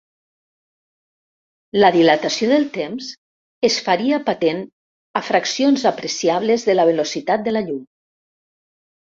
La dilatació del temps es faria patent a fraccions apreciables de la velocitat de la llum.